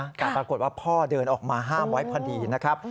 แต่ปรากฏว่าพ่อเดินออกมาห้ามไว้พอดีนะครับ